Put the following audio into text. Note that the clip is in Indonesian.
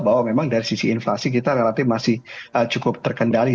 bahwa memang dari sisi inflasi kita relatif masih cukup terkendali